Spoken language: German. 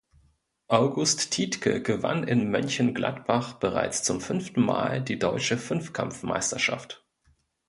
August Tiedtke gewann in Mönchengladbach bereits zum fünften Mal die deutsche Fünfkampfmeisterschaft.